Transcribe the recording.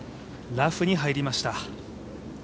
ラフに入りました。